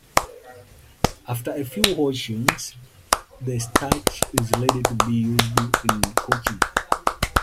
After a few washings, the starch is ready to be used in cooking.